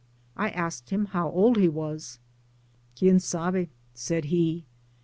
I asked him how old he was: " Quien sabe,'' said he.